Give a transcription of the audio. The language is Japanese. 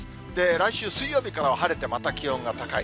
来週水曜日からは晴れてまた気温が高い。